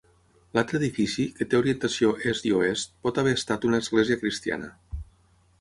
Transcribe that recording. L"altre edifici, que té orientació est i oest, pot haver estat una església cristiana.